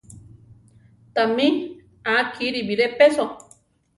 Tamí á kiri biré peso.